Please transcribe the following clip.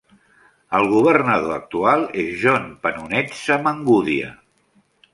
El governador actual és John Panonetsa Mangudya.